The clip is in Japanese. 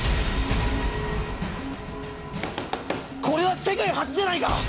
これは世界初じゃないか！